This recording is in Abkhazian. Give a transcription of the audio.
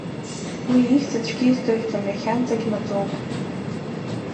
Уи ихьӡ аӡәгьы издырӡом, иахьанӡагь маӡоуп.